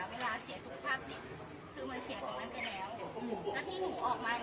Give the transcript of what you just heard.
เวลาเสียทุกภาพสิทธิ์คือมันเสียตรงนั้นไปแล้ว